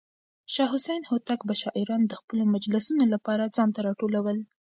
شاه حسين هوتک به شاعران د خپلو مجلسونو لپاره ځان ته راټولول.